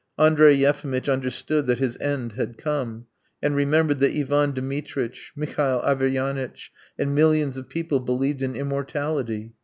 Andrey Yefimitch understood that his end had come, and remembered that Ivan Dmitritch, Mihail Averyanitch, and millions of people believed in immortality.